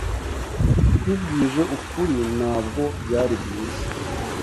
Nkubwije ukuri, ntabwo byari byiza.